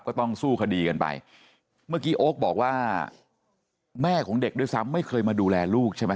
ก็ต้องสู้คดีกันไปเมื่อกี้โอ๊คบอกว่าแม่ของเด็กด้วยซ้ำไม่เคยมาดูแลลูกใช่ไหม